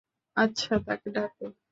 আচ্ছা, তাকে ডাকো।